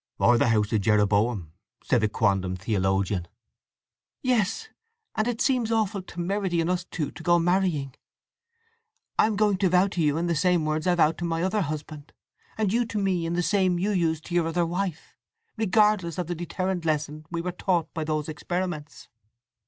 "Or the house of Jeroboam," said the quondam theologian. "Yes. And it seems awful temerity in us two to go marrying! I am going to vow to you in the same words I vowed in to my other husband, and you to me in the same as you used to your other wife; regardless of the deterrent lesson we were taught by those experiments!"